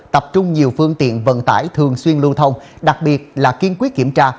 tập trung nhiều phương tiện vận tải thường xuyên lưu thông đặc biệt là kiên quyết kiểm tra